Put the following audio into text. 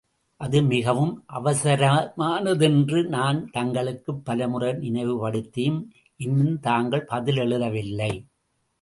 அது மிகவும் அவசரமானதென்று நான் தங்களுக்குப் பல முறை நினைவுபடுத்தியும் இன்னும் தாங்கள் பதில் எழுதவில்லை.